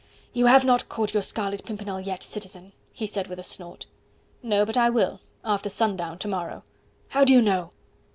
"You have not caught your Scarlet Pimpernel yet, Citizen," he said with a snort. "No, but I will, after sundown to morrow." "How do you know?"